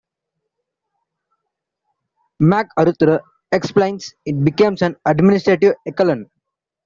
MacArthur explains, It became an administrative echelon.